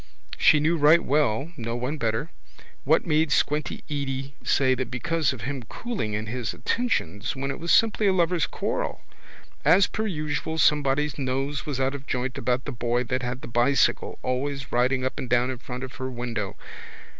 She knew right well, no one better, what made squinty Edy say that because of him cooling in his attentions when it was simply a lovers' quarrel. As per usual somebody's nose was out of joint about the boy that had the bicycle off the London bridge road always riding up and down in front of her window.